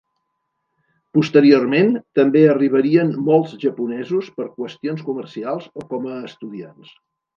Posteriorment, també arribarien molts japonesos per qüestions comercials o com a estudiants.